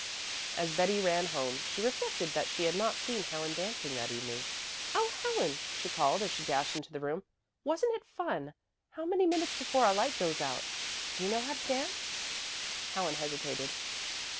As Betty ran home, she reflected that she had not seen Helen dancing that evening. "Oh, Helen," she called, as she dashed into the room, "wasn't it fun? How many minutes before our light goes out? Do you know how to dance?" Helen hesitated.